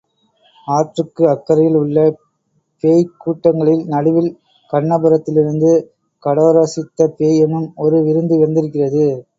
ஆற்றுக்கு அக்கரையில் உள்ள பேய்க் கூட்டங்களின் நடுவில் கண்ணபுரத்திலிருந்து கடோரசித்தப் பேய் எனும் ஒரு விருந்து வந்திருக்கிறது.